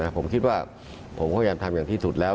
ผมคิดว่าผมก็ยังทำอย่างที่สุดแล้ว